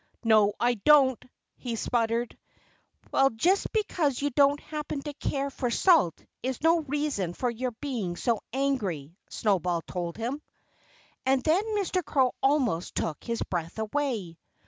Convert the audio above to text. "No, I don't!" he spluttered. "Well, just because you don't happen to care for salt is no reason for your being so angry," Snowball told him. And then Mr. Crow almost took his breath away.